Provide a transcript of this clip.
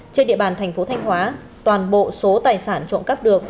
trên địa bàn thành phố thanh hóa toàn bộ số tài sản trộm cắp được